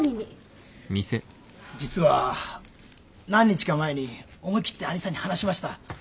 実は何日か前に思いきって義兄さんに話しました。